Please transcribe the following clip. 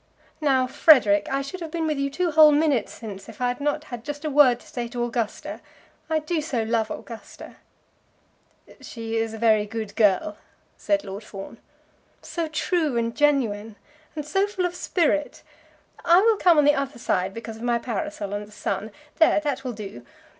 "Now, Frederic! I should have been with you two whole minutes since, if I had not had just a word to say to Augusta. I do so love Augusta." "She is a very good girl," said Lord Fawn. "So true and genuine, and so full of spirit. I will come on the other side because of my parasol and the sun. There, that will do.